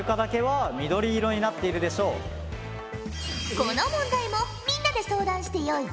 この問題もみんなで相談してよいぞ。